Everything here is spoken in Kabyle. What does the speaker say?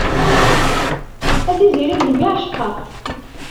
A tiziri deg-m i ɛecqeɣ.